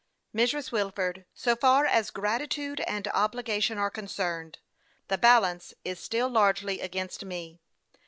" Mrs. Wilford, so far as gratitude and obligation are concerned, the balance is still largely against me.